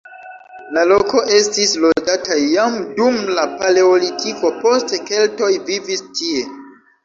La loko estis loĝata jam dum la paleolitiko, poste keltoj vivis tie.